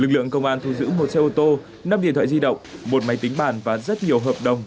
lực lượng công an thu giữ một xe ô tô năm điện thoại di động một máy tính bàn và rất nhiều hợp đồng